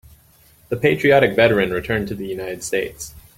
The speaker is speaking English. The patriotic veteran returned to the United States.